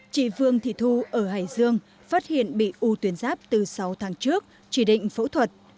chị vương thị thu ở hải dương phát hiện bị u tuyến giáp từ sáu tháng trước chỉ định phẫu thuật